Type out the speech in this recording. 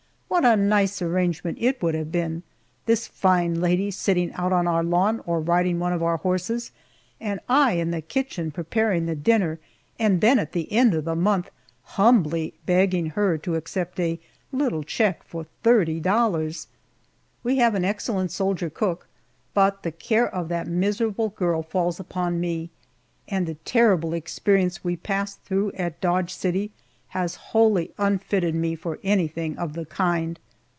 What a nice arrangement it would have been this fine lady sitting out on our lawn or riding one of our horses, and I in the kitchen preparing the dinner, and then at the end of the month humbly begging her to accept a little check for thirty dollars! We have an excellent soldier cook, but the care of that miserable girl falls upon me, and the terrible experience we passed through at Dodge City has wholly unfitted me for anything of the kind.